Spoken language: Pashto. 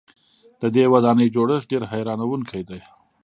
د دې ودانۍ جوړښت ډېر حیرانوونکی دی.